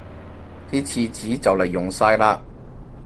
啲廁紙就黎用晒喇